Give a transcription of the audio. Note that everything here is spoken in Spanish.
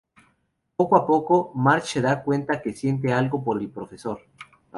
Poco a poco, Marge se da cuenta de que siente algo por el profesor.